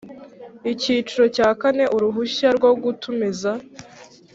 Icyiciro cya kane Uruhushya rwo gutumiza